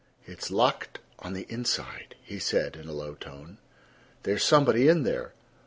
"It's locked on the inside," he said in a low tone. "There is somebody in there."